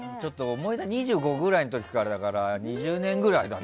２５ぐらいの時とかだから２０年ぐらいだね。